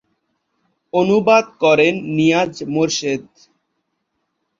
অনুবাদ করেন নিয়াজ মোরশেদ।